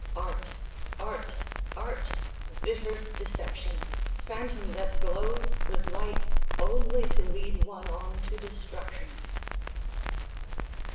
Art! art! art! bitter deception! phantom that glows with light, only to lead one on to destruction...